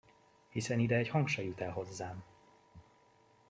Hiszen ide egy hang se jut el hozzám!